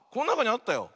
あったよ。